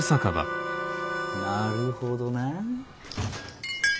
なるほどな。